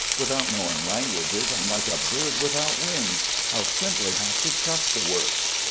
Without knowing languages I'm like a bird without wings. I'll simply have to chuck the work."